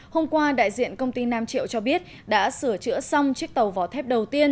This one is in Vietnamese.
hôm qua đại diện công ty nam triệu cho biết đã sửa chữa xong chiếc tàu vỏ thép đầu tiên